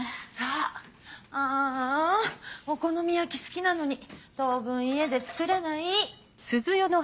ああお好み焼き好きなのに当分家で作れない。